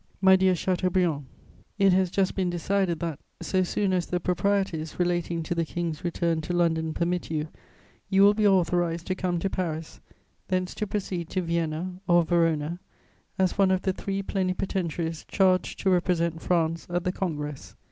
"MY DEAR CHATEAUBRIAND, "It has just been decided that, so soon as the proprieties relating to the King's return to London permit you, you will be authorized to come to Paris, thence to proceed to Vienna or Verona, as one of the three plenipotentiaries charged to represent France at the Congress.